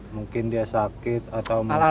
mungkin dia sakit atau